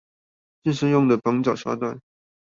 健身用的綁腳沙袋